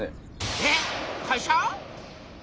えっ会社！？